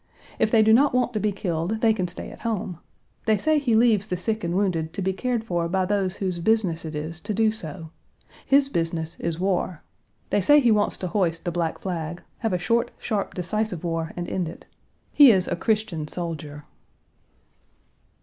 If they do not want to be killed, they can stay at home. They say he leaves the sick and wounded to be cared for by those whose business it is to do so. His business is war. They say he wants to hoist the black flag, have a short, sharp, decisive war and end it. He is a Christian soldier."